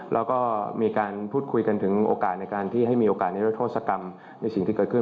แล้วก็มีการพูดคุยกันถึงโอกาสในการทดสกรรมในสิ่งที่เกิดขึ้น